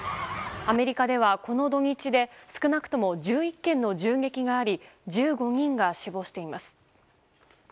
アメリカではこの土日で少なくとも１１件の銃撃があり１５人が死亡しています。